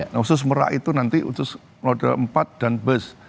nah khusus merak itu nanti khusus roda empat dan bus